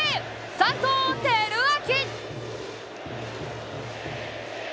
佐藤輝明。